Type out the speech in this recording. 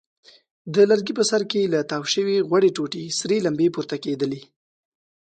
د لرګي په سر کې له تاو شوې غوړې ټوټې سرې لمبې پورته کېدلې.